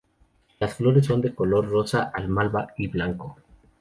Las flores son de color rosa al malva y blanco.